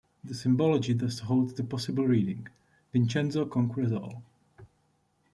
The symbology thus holds the possible reading: Vincenzo Conquers All.